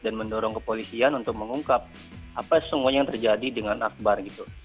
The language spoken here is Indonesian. dan mendorong kepolisian untuk mengungkap apa yang terjadi dengan akbar gitu